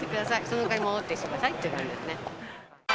その代わり戻ってきてくださいという感じですね。